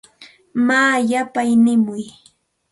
Maa yapay nimuy.